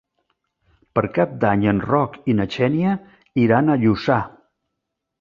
Per Cap d'Any en Roc i na Xènia iran a Lluçà.